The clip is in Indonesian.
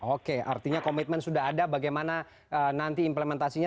oke artinya komitmen sudah ada bagaimana nanti implementasinya